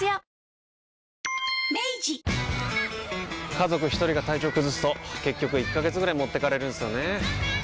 家族一人が体調崩すと結局１ヶ月ぐらい持ってかれるんすよねー。